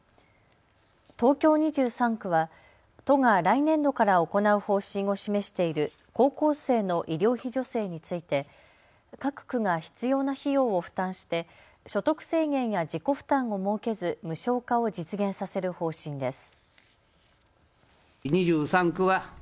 東京２３区は都が来年度から行う方針を示している高校生の医療費助成について各区が必要な費用を負担して所得制限や自己負担を設けず無償化を実現させる方針です。